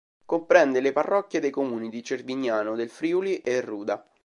Comprende le parrocchie dei comuni di Cervignano del Friuli e Ruda.